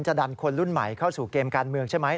ดันคนรุ่นใหม่เข้าสู่เกมการเมืองใช่ไหม